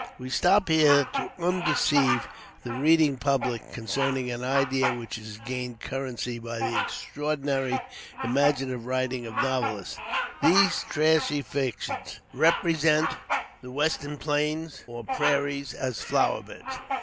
We stop here to undeceive the reading public concerning an idea which has gained currency by the extraordinary imaginative writings of novelists. These trashy fictions represent the western plains, or prairies, as flower beds.